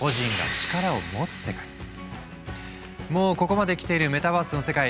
まさにもうここまできているメタバースの世界。